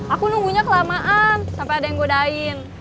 aku nunggunya kelamaan sampai ada yang godain